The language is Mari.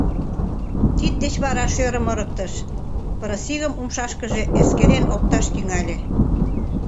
Тиддеч вара шӧрым ырыктыш, пырысигын умшашкыже эскерен опташ тӱҥале.